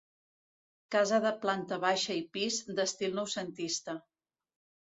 Casa de planta baixa i pis, d'estil noucentista.